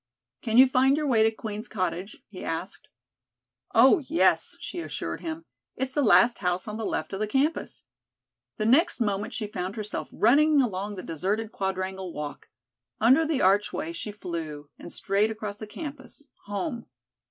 "Can you find your way to Queen's Cottage?" he asked. "Oh, yes," she assured him. "It's the last house on the left of the campus." The next moment she found herself running along the deserted Quadrangle walk. Under the archway she flew, and straight across the campus home.